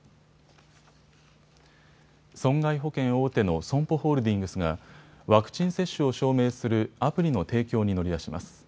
損害保険大手のＳＯＭＰＯホールディングスがワクチン接種を証明するアプリの提供に乗り出します。